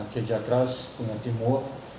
keja keras punya tim work